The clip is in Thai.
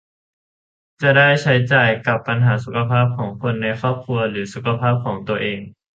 จะได้ใช้จ่ายกับปัญหาสุขภาพของคนในครอบครัวหรือสุขภาพของตัวเอง